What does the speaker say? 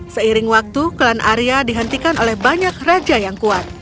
seiring waktu klan arya dihentikan oleh banyak raja yang kuat